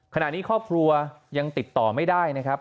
ขณะนี้ครอบครัวยังติดต่อไม่ได้นะครับ